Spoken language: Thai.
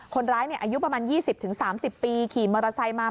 อายุประมาณ๒๐๓๐ปีขี่มอเตอร์ไซค์มา